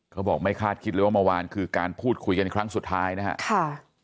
เขาบอกไม่คาดคิดเลยว่าเมื่อวานคือการพูดคุยกันครั้งสุดท้ายนะครับ